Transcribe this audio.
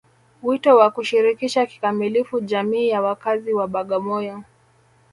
Wito wa kuishirikisha kikamilifu jamii ya wakazi wa Bagamoyo